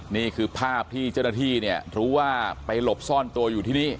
นี่คือภาพที่เจ้าหน้าที่เนี่ยรู้ว่าไปหลบซ่อนตัวอยู่ที่นี่